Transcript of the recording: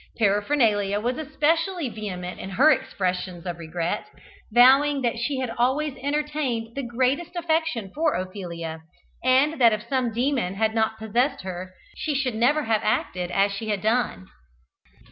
Paraphernalia was especially vehement in her expressions of regret, vowing that she had always entertained the greatest affection for Ophelia, and that if some demon had not possessed her, she should never have acted as she had done.